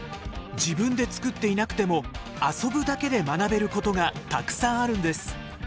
自分で作っていなくても遊ぶだけで学べることがたくさんあるんです。